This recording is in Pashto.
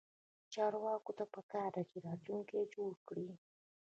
چارواکو ته پکار ده چې، راتلونکی جوړ کړي